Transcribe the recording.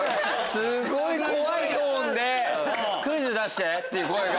すごい怖いトーンで「クイズ出して！」って声が。